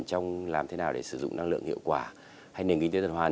trong làm thế nào để sử dụng năng lượng hiệu quả hay nền kinh tế tuần hoàn